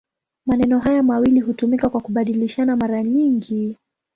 Maneno haya mawili hutumika kwa kubadilishana mara nyingi.